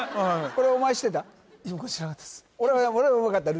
これお前知ってた？